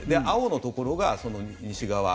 青のところが西側